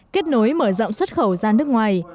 kết nối mở rộng xuất khẩu ra nước ngoài